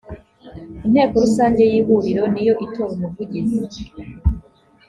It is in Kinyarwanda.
inteko rusange y’ihuriro niyo itora umuvugizi